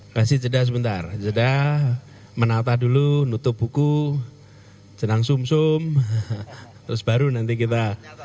kasih jeda sebentar jeda menata dulu nutup buku jenang sum sum terus baru nanti kita